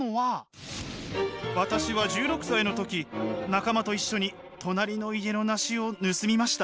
私は１６歳の時仲間と一緒に隣の家の梨を盗みました。